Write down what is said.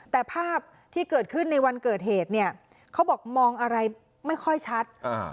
แต่ภาพที่เกิดขึ้นในวันเกิดเหตุเนี่ยเขาบอกมองอะไรไม่ค่อยชัด